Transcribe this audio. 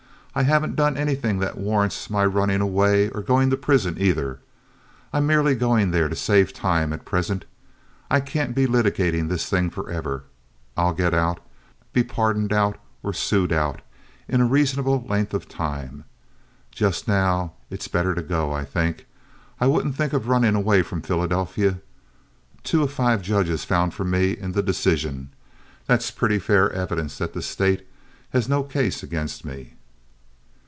"I haven't done anything that warrants my running away or going to prison, either. I'm merely going there to save time at present. I can't be litigating this thing forever. I'll get out—be pardoned out or sued out in a reasonable length of time. Just now it's better to go, I think. I wouldn't think of running away from Philadelphia. Two of five judges found for me in the decision. That's pretty fair evidence that the State has no case against me."